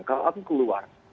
jika aku keluar